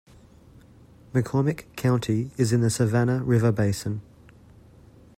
McCormick County is in the Savannah River basin.